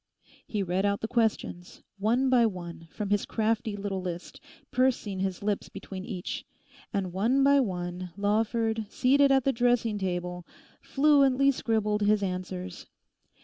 He read out the questions, one by one, from his crafty little list, pursing his lips between each; and one by one, Lawford, seated at the dressing table, fluently scribbled his answers.